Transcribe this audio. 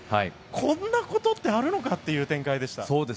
こんなことってあるのかという展開でした。